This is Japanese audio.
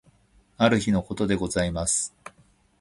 ある日のことでございます。